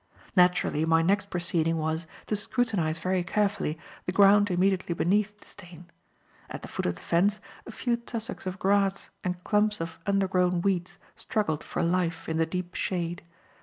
Naturally, my next proceeding was to scrutinize very carefully the ground immediately beneath the stain. At the foot of the fence, a few tussocks of grass and clumps of undergrown weeds struggled for life in the deep shade.